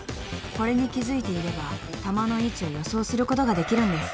［これに気付いていれば弾の位置を予想することができるんです］